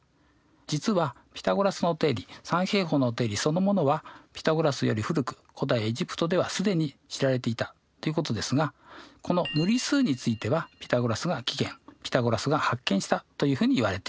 実はピタゴラスの定理三平方の定理そのものはピタゴラスより古く古代エジプトでは既に知られていたということですがこの無理数についてはピタゴラスが起源ピタゴラスが発見したというふうにいわれています。